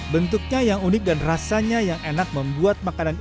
bentuknya yang unik dan rasanya yang enak membuat makanan ini